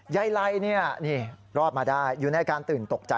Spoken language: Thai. ยายลัยนี่รอดมาได้อยู่ในการตื่นตกใจ